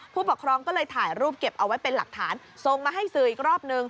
ผู้ปกครองก็เลยถ่ายรูปเก็บเอาไว้เป็นหลักฐานส่งมาให้สื่ออีกรอบนึง